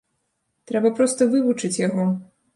Трэба проста вывучыць яго.